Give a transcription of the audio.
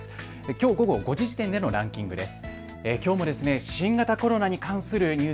きょう午後５時時点でのランキングです。